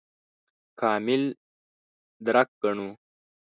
کامل درک ګڼو.